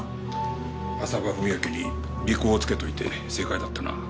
浅羽史明に尾行をつけといて正解だったな。